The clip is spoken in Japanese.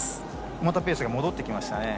またペースが戻ってきましたね。